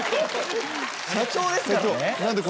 社長ですからね。